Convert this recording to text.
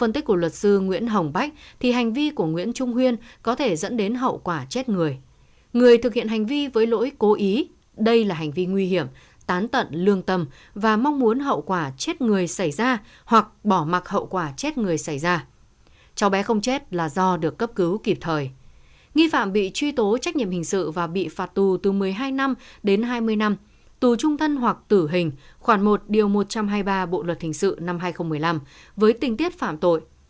tù trung thân hoặc tử hình khoảng một một trăm hai mươi ba bộ luật thình sự năm hai nghìn một mươi năm với tình tiết phạm tội